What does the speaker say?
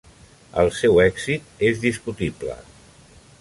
El seu èxit és discutible.